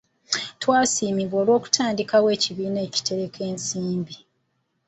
Twasiimibwa olw'okutandikawo ekibiina ekitereka ensimbi.